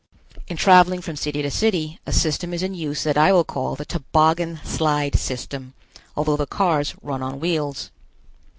In traveling from city to city, a system is in use that I will call the Toboggan Slide System, although the cars run on wheels.